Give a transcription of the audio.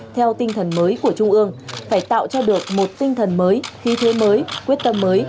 theo tinh thần mới của trung ương phải tạo cho được một tinh thần mới khí thế mới quyết tâm mới